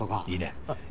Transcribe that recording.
いいね。